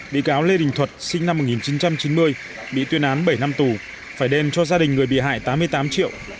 bị cáo lê đình thuật sinh năm một nghìn chín trăm chín mươi bị tuyên án bảy năm tù phải đem cho gia đình người bị hại tám mươi tám triệu